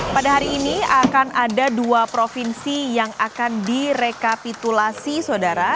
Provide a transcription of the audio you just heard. pada hari ini akan ada dua provinsi yang akan direkapitulasi saudara